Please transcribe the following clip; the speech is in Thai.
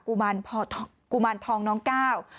กุมารทองน้องก้าว